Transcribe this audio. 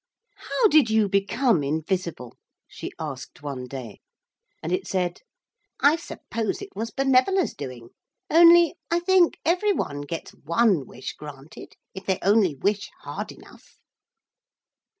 'How did you become invisible?' she asked one day, and it said, 'I suppose it was Benevola's doing. Only I think every one gets one wish granted if they only wish hard enough.'